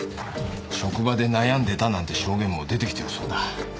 職場で悩んでたなんて証言も出てきてるそうだ。